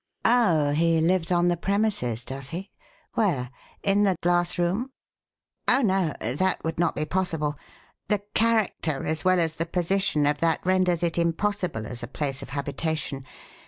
"Oh, he lives on the premises, does he? Where? In the glass room?" "Oh, no; that would not be possible. The character as well as the position of that renders it impossible as a place of habitation.